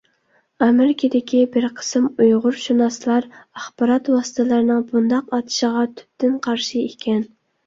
ئامېرىكىدىكى بىر قىسىم ئۇيغۇرشۇناسلار ئاخبارات ۋاسىتىلىرىنىڭ بۇنداق ئاتىشىغا تۈپتىن قارشى ئىكەن.